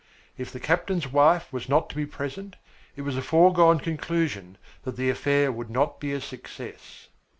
If the captain's wife was not to be present, it was a foregone conclusion that the affair would not be a success.